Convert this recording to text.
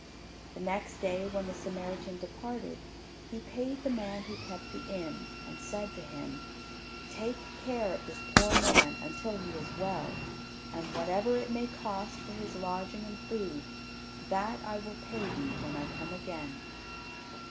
The next day, when the Samaritan departed, he paid the man who kept the inn, and said to him, "Take care of this poor man until he is well, and whatever it may cost for his lodging and food, that I will pay thee when I come again."